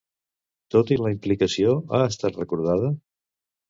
Tot i la implicació, ha estat recordada?